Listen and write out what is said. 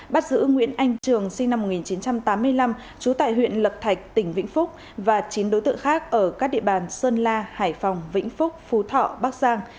bắt giữ nguyễn anh trường sinh năm một nghìn chín trăm tám mươi năm trú tại huyện lập thạch tỉnh vĩnh phúc và chín đối tượng khác ở các địa bàn sơn la hải phòng vĩnh phúc phú thọ bắc giang